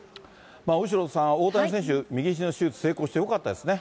後呂さん、大谷選手、右ひじの手術、成功してよかったですね。